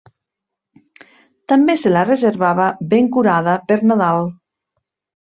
També se la reservava, ben curada, per Nadal.